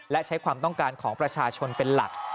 และใช้ความต้องการของประชาชนเป็นหลัก